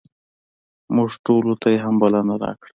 موږ ټولو ته یې هم بلنه راکړه.